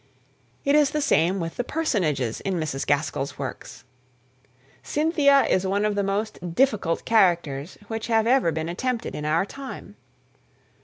It is the same with the personages in Mrs. Gaskell's works. Cynthia is one of the most difficult characters which have ever been attempted in our time.